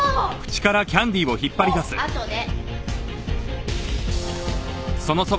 あとで。